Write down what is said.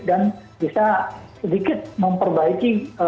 dan bisa sedikit memperbaiki